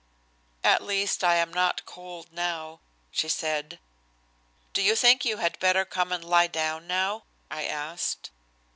"At least I am not cold now," she said. "Don't you think you had better come and lie down now?" I asked.